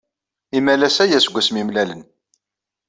Imalas aya seg wasmi ay mlalen.